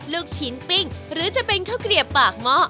ลูกชิ้นปิ้งหรือจะเป็นข้าวเกลียบปากหม้อ